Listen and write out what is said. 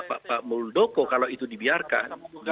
pak muldoko kalau itu dibiarkan